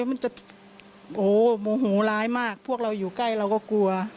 มันจะโอ้โหโมโหร้ายมากพวกเราอยู่ใกล้เราก็กลัว